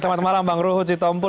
selamat malam bang rujutompul